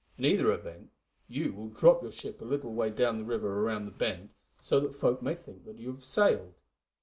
In either event, you will drop your ship a little way down the river round the bend, so that folk may think that you have sailed.